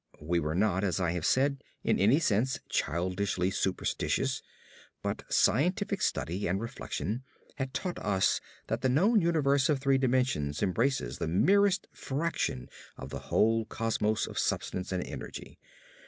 We were not, as I have said, in any sense childishly superstitious, but scientific study and reflection had taught us that the known universe of three dimensions embraces the merest fraction of the whole cosmos of substance and energy.